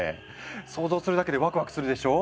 想像するだけでワクワクするでしょ？